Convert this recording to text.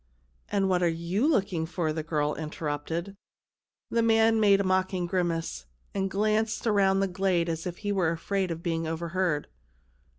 " And what are you looking for ?" the girl interrupted. The man made a mocking grimace, and glanced around the glade as if he were afraid of being overheard.